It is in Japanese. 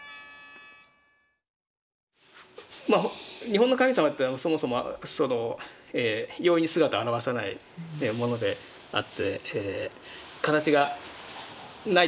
日本の神様ってそもそも容易に姿を現さないものであって形がないというかね